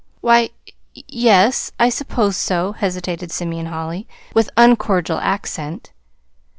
"Why, y yes, I suppose so," hesitated Simeon Holly, with uncordial accent.